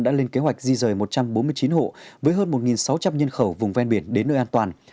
đã lên kế hoạch di rời một trăm bốn mươi chín hộ với hơn một sáu trăm linh nhân khẩu vùng ven biển đến nơi an toàn